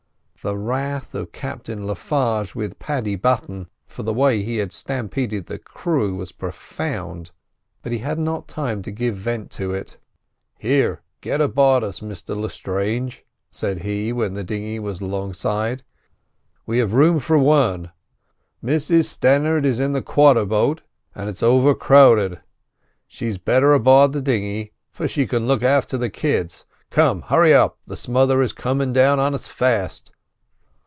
The wrath of Captain Le Farge with Paddy Button for the way he had stampeded the crew was profound, but he had not time to give vent to it. "Here, get aboard us, Mr Lestrange!" said he, when the dinghy was alongside; "we have room for one. Mrs Stannard is in the quarter boat, and it's overcrowded; she's better aboard the dinghy, for she can look after the kids. Come, hurry up, the smother is coming down on us fast.